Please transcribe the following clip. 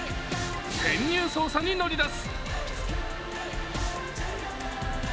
潜入捜査に乗り出す。